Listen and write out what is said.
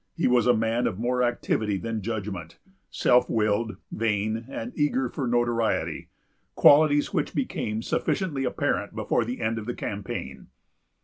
He was a man of more activity than judgment, self willed, vain, and eager for notoriety; qualities which became sufficiently apparent before the end of the campaign.